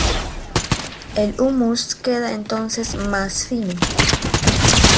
El hummus queda entonces más fino.